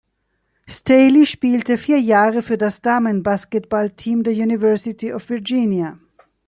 Staley spielte vier Jahre für das Damen-Basketballteam der University of Virginia.